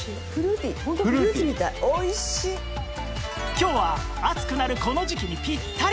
今日は暑くなるこの時季にピッタリ